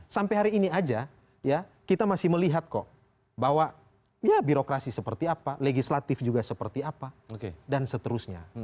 sampai hari ini aja ya kita masih melihat kok bahwa ya birokrasi seperti apa legislatif juga seperti apa dan seterusnya